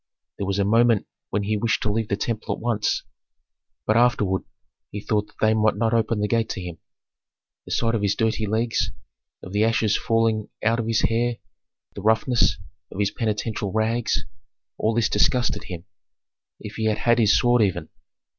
There was a moment when he wished to leave the temple at once; but afterward he thought that they might not open the gate to him. The sight of his dirty legs, of the ashes falling out of his hair, the roughness of his penitential rags, all this disgusted him. If he had had his sword even!